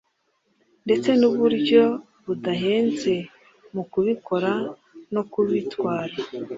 ndetse nuburyo budahenze mu kubikora no kubitwara